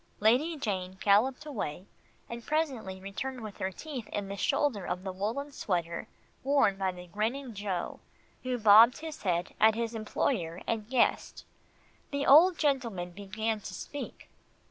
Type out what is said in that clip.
Lady Jane galloped away, and presently returned with her teeth in the shoulder of the woolen sweater worn by the grinning Joe, who bobbed his head at his employer and guest. The old gentleman began to speak.